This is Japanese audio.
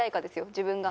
自分が。